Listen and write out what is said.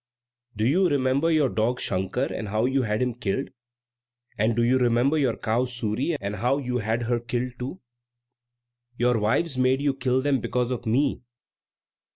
"Do you remember your dog Shankar, and how you had him killed? And do you remember your cow Suri, and how you had her killed too? Your wives made you kill them because of me.